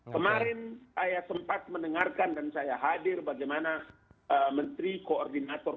kemarin saya sempat mendengarkan dan saya hadir bagaimana menteri koordinator